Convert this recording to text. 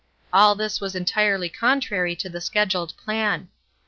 All this was entirely contrary to the scheduled plan.